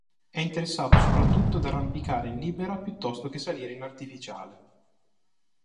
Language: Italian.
È interessato soprattutto ad arrampicare in libera piuttosto che salire in artificiale.